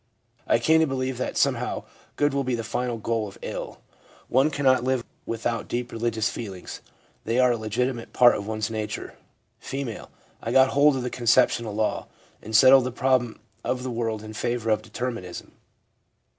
I came to believe that " somehow good will be the final goal of ill." One cannot live without deep religious feelings ; they are a legitimate part of one's nature/ F. ' I got hold of the conception of law, and settled the problem of the world in favour of determinism.